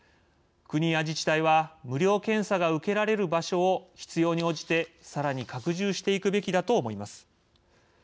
国や自治体は無料検査が受けられる場所を必要に応じて、さらに拡充していくべきだと思います。